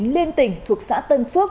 liên tỉnh thuộc xã tân phước